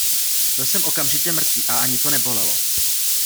Byl jsem okamžitě mrtvý a ani to nebolelo.